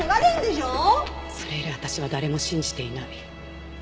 それ以来私は誰も信じていない。